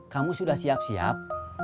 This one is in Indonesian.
kamu sudah siap siap